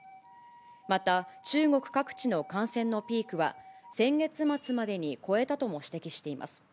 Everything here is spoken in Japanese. また、中国各地の感染のピークは、先月末までに越えたとも指摘しています。